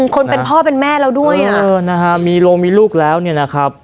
คนเป็นพ่อเป็นแม่เราด้วยอ่ะเออนะฮะมีโรงมีลูกแล้วเนี่ยนะครับ